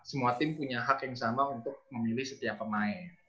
semua tim punya hak yang sama untuk memilih setiap pemain